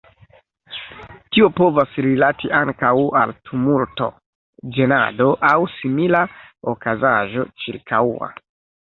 Tio povas rilati ankaŭ al tumulto, ĝenado aŭ simila okazaĵo ĉirkaŭa.